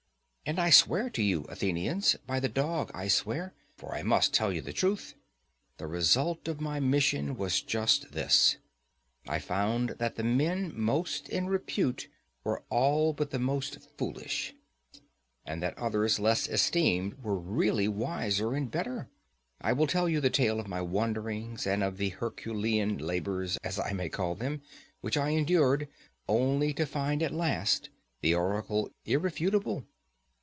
And I swear to you, Athenians, by the dog I swear!—for I must tell you the truth—the result of my mission was just this: I found that the men most in repute were all but the most foolish; and that others less esteemed were really wiser and better. I will tell you the tale of my wanderings and of the "Herculean" labours, as I may call them, which I endured only to find at last the oracle irrefutable.